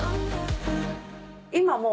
今もう。